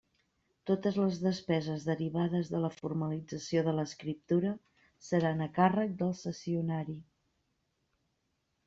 Totes les despeses derivades de la formalització de l'escriptura seran a càrrec del cessionari.